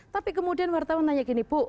tapi kemudian wartawan nanya gini bu